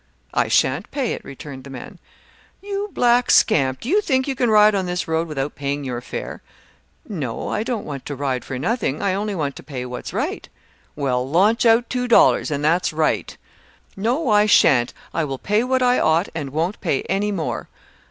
"I shan't pay it," returned the man. "You black scamp, do you think you can ride on this road without paying your fare?" "No, I don't want to ride for nothing; I only want to pay what's right." "Well, launch out two dollars, and that's right." "No, I shan't; I will pay what I ought, and won't pay any more."